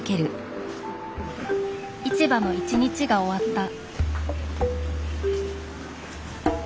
市場の一日が終わった。